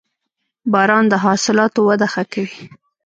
• باران د حاصلاتو وده ښه کوي.